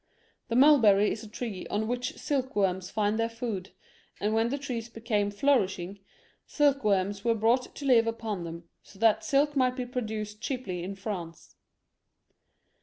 The mulberry is a tree on which silkworms find their food, and when the trees became flourishing, silkworms were brought to live upon them, so that silk might be produced cheaply in France.